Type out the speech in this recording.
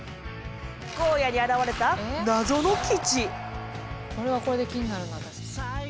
荒野に現れたこれはこれで気になるな私。